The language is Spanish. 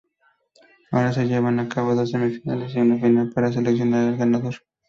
Ahora se llevan a cabo dos semifinales y una final para seleccionar al ganador.